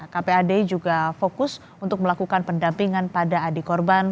kpad juga fokus untuk melakukan pendampingan pada adik korban